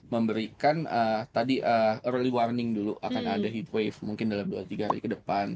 memberikan tadi early warning dulu akan ada heat wave mungkin dalam dua tiga hari ke depan